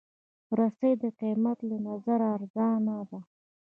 رسۍ د قېمت له نظره ارزانه ده.